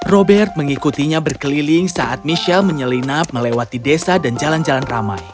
robert mengikutinya berkeliling saat michelle menyelinap melewati desa dan jalan jalan ramai